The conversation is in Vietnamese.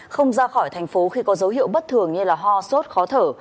không ra khỏi thành phố khi có dấu hiệu bất thường như ho sốt khó thở